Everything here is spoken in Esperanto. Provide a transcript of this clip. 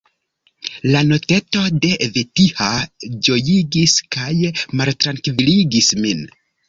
La noteto de Vetiha ĝojigis kaj maltrankviligis min.